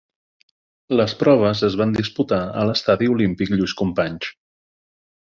Les proves es van disputar a l'Estadi Olímpic Lluís Companys.